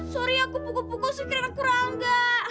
sorry aku pukul pukul sekiranya aku rangga